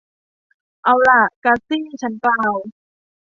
เอาล่ะ กัสซี่ ฉันกล่าว